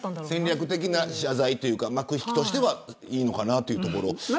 戦略的な謝罪というか幕引きとしてはいいのかなというところ。